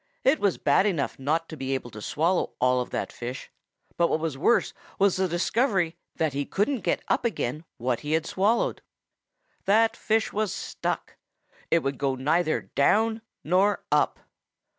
It was bad enough not to be able to swallow all of that fish, but what was worse was the discovery that he couldn't get up again what he had swallowed. That fish was stuck! It would go neither down nor up.